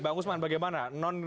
mbak usman bagaimana